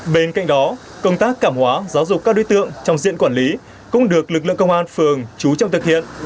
bên cạnh đó công tác cảm hóa giáo dục các đối tượng trong diện quản lý cũng được lực lượng công an phường chú trọng thực hiện